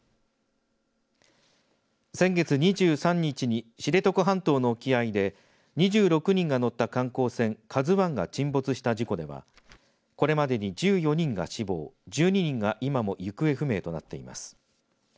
先月２３日に知床半島の沖合で２６人が乗った観光船、ＫＡＺＵＩが沈没した事故ではこれまでに１４人が死亡、１２人が今も行方不明となっています。